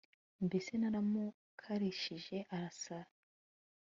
mbese naramukarishije arasara